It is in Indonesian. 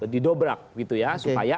didobrak gitu ya supaya